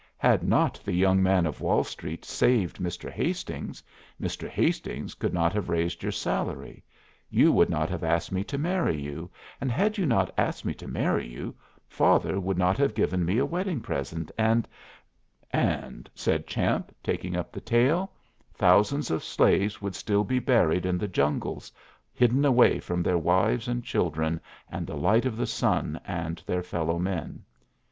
"Had not the Young Man of Wall Street saved Mr. Hastings, Mr. Hastings could not have raised your salary; you would not have asked me to marry you, and had you not asked me to marry you, father would not have given me a wedding present, and " "And," said Champ, taking up the tale, "thousands of slaves would still be buried in the jungles, hidden away from their wives and children, and the light of the sun and their fellow men.